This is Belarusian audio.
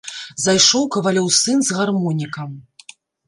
Зайшоў кавалёў сын з гармонікам.